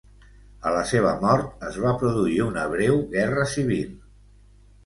A la seva mort es va produir una breu guerra civil.